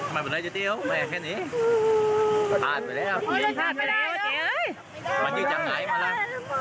มันอยู่จากไหนมาแล้ว